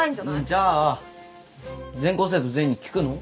じゃあ全校生徒全員に聞くの？